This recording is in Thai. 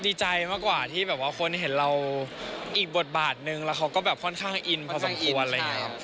ดีใจมากกว่าที่แบบว่าคนเห็นเราอีกบทบาทนึงแล้วเขาก็แบบค่อนข้างอินพอสมควรอะไรอย่างนี้ครับ